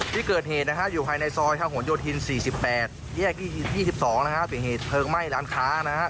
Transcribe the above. ที่เกิดเหตุอยู่ภายในซอยศาวโหยทิน๔๘แยก๒๒ตัวเหตุไฟไหม้ร้านค้า